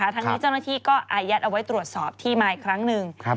ทั้งนี้เจ้าหน้าที่ก็อายัดเอาไว้ตรวจสอบที่มาอีกครั้งหนึ่ง